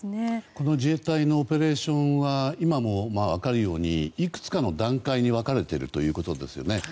この自衛隊のオペレーションは今のでも分かるようにいくつかの段階に分かれているということですよね。